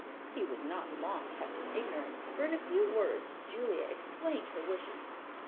He was not long kept in ignorance, for in a few words Julia explained her wishes.